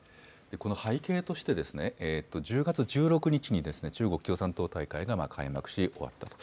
この背景として１０月１６日に中国共産党大会が開幕し、終わったと。